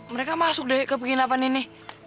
mereka masuk ke penginapan ini